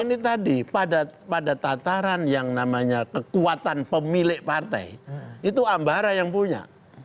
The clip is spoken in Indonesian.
ini tadi pada tataran yang namanya kekuatan pemilik partai itu ambara yang punya